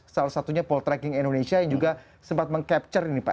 salah satunya poltracking indonesia yang juga sempat mengcapture ini pak